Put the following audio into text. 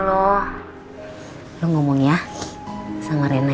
kamu bisa berbicara dengan rena